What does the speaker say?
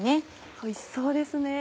おいしそうですね。